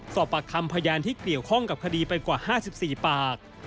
สอบปากคำพยานที่เกี่ยวข้องกับคดีไปกว่า๕๔ปาก